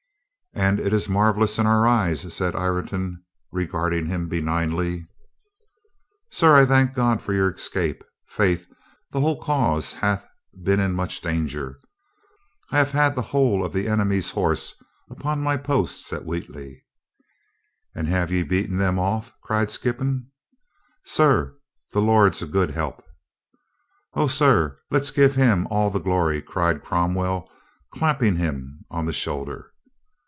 "And it is marvelous in our eyes," said Ireton, regarding him benignly, "Sir, I thank God for your escape. Faith, the whole cause hath been in much danger. I have had the whole of the enemy's horse upon my posts at Wheatley." "And have ye beat them off?" cried Sklppon. "Sir, the Lord's a good help." "O, sir, let's give Him all the glory !" cried Crom well, clapping him on the shoulder.